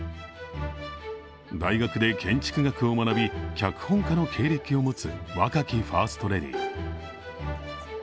大学で建築学を学び脚本家の経歴を持つ若きファーストレディー。